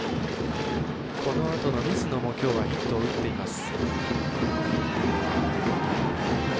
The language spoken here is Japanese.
このあとの水野もきょうはヒットを打っています。